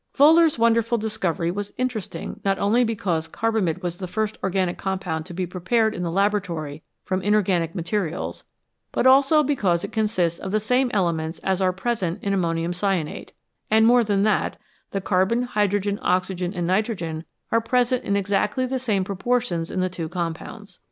Wohlers wonderful discovery was interesting not only because carbamide was the first organic compound to be prepared in the laboratory from inorganic materials, but also because it consists of the same elements as are present in ammonium cyanate, and, more than that, the carbon, hydrogen, oxygen, and nitrogen are present in exactly the same proportions in the two compounds.